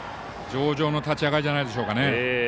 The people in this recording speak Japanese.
上々の立ち上がりじゃないでしょうか。